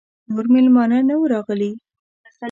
نور مېلمانه نه وه راغلي.